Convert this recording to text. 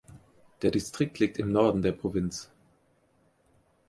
Der Distrikt liegt im Norden der Provinz.